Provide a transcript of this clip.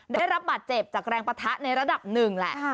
ได้รับบาดเจ็บจากแรงปะทะในระดับหนึ่งแหละ